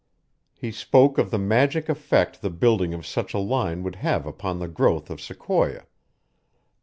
He spoke of the magic effect the building of such a line would have upon the growth of Sequoia.